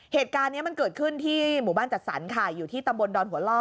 เหตุการณ์นี้มันเกิดขึ้นที่หมู่บ้านจัดสรรค่ะอยู่ที่ตำบลดอนหัวล่อ